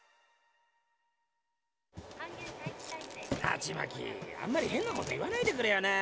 ハチマキあんまり変なこと言わないでくれよな。